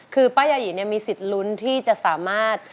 คือป้ายายีมีสิทธิ์ลุ้นที่จะสามารถ